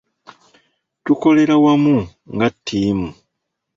Tukolera wamu nga ttiimu.